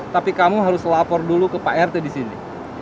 tapi kamu harus lapor dulu ke pak rt di sini